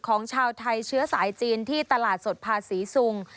ของชาวไทยเชื้อสายจีนที่ตลาดสดภาษีซุง